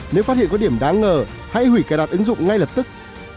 nếu phát hiện có điểm đáng ngờ hãy hủy cài đặt ứng dụng ngay lập tức